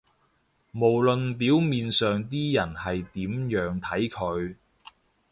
無論表面上啲人係點樣睇佢